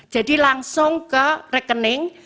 jadi langsung ke rekening